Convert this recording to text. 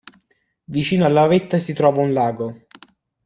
Vicino alla vetta si trova un lago.